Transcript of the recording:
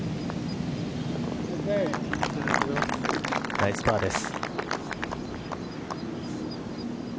ナイスパーです。